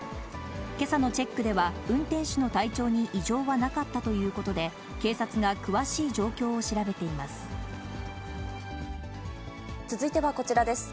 けさのチェックでは、運転手の体調に異常はなかったということで、警察が詳しい状況を続いてはこちらです。